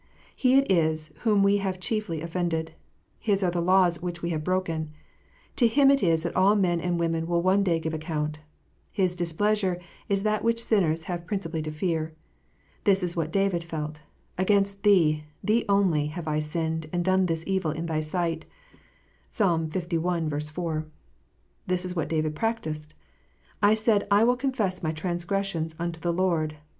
He it is whom we have chiefly offended : His are the laws which we have broken. To Him it is that all men and women will one day give account : His displeasure is that which sinners have principally to fear. This is what David felt: "Against Thee, Thee only, have I sinned, and done this evil in Thy sight." (Psalm li. 4.) This is what David practised :" I said I will confess my transgressions unto the Lord."